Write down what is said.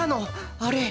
あれ